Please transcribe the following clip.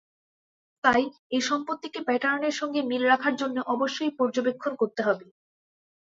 তাই, এই সম্পত্তিকে প্যাটার্নের সঙ্গে মিল রাখার জন্য অবশ্যই পর্যবেক্ষণ করতে হবে।